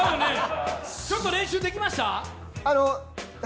ちょっと練習できました？